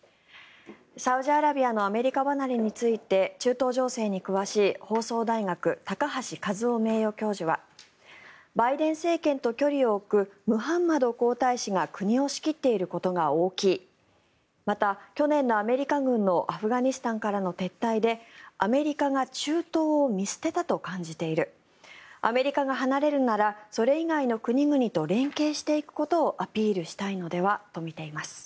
サウジアラビアのアメリカ離れについて中東情勢に詳しい放送大学、高橋和夫名誉教授はバイデン政権と距離を置くムハンマド皇太子が国を仕切っていることが大きいまた、去年のアメリカ軍のアフガニスタンからの撤退でアメリカが中東を見捨てたと感じているアメリカが離れるならそれ以外の国々と連携していくことをアピールしたいのではとみています。